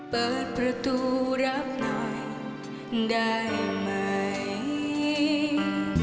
เปิดประตูรับหน่อยได้ไหม